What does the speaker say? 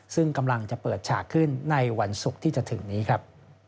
ซึ่งกำลังจะเปิดฉากขึ้นในวันศุกร์ที่จะถึงนี้ครับ